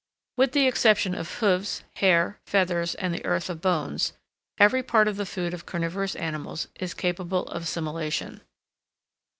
With the exception of hoofs, hair, feathers, and the earth of bones, every part of the food of carnivorous animals is capable of assimilation.